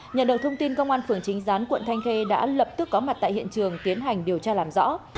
nhận được thông tin công an phường chính gián quận thanh khê đã lập tức có mặt tại hiện trường tiến hành điều tra làm rõ